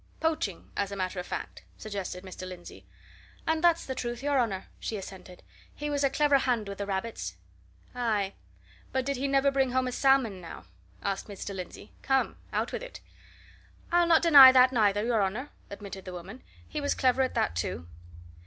"Poaching, as a matter of fact," suggested Mr. Lindsey. "And that's the truth, your honour," she assented. "He was a clever hand with the rabbits." "Aye; but did he never bring home a salmon, now?" asked Mr. Lindsey. "Come, out with it." "I'll not deny that, neither, your honour," admitted the woman. "He was clever at that too."